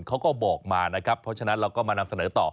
เขาก็บอกมานะครับเพราะฉะนั้นเราก็มานำเสนอต่อ